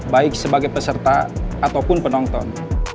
baik sebagai peserta ataupun penonton